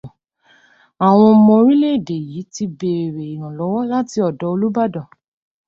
Àwọn ọmọ orílẹ̀-èdè yìí ti bèrè ìrànlọ́wọ́ láti ọ̀dọ̀ Olúbàdàn